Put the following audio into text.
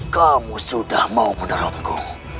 kamu sudah mau meneramku